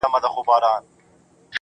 او دا تار به پرې کړو